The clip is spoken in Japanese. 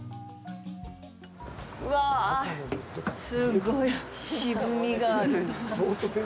うわぁ、すっごい渋みがあるなぁ。